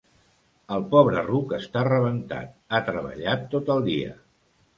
El pobre ruc està rebentat: ha treballat tot el dia.